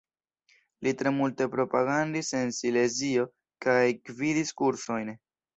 Li tre multe propagandis en Silezio kaj gvidis kursojn.